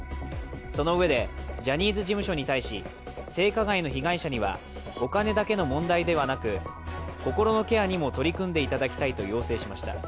そのうえでジャニーズ事務所に対し性加害の被害者にはお金だけの問題ではなく、心のケアにも取り組んでいただきたいと要請しました。